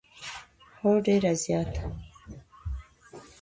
هو، ډیره زیاته